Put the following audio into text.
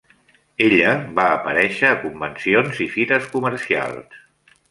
Ella va aparèixer a convencions i fires comercials.